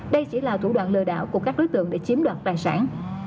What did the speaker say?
đây chỉ là thủ đoạn lừa đảo của các đối tượng để chiếm đoạt tài sản